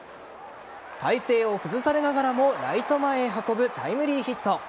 体勢を崩されながらもライト前へ運ぶタイムリーヒット。